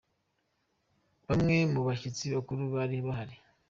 Bamwe mu bashyitsi bakuru bari bahari.